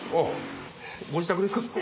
ご自宅ですか？